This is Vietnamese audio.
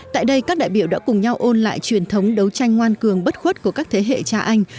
tại đây các đại biểu đã cùng nhau ôn lại truyền thống đấu tranh ngoan cường bất khuất của các thế hệ cha anh